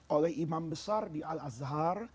oleh imam besar di al azhar